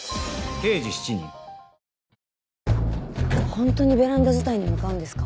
本当にベランダ伝いに向かうんですか？